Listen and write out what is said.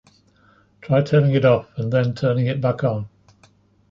Try turning it off and then turning it back on.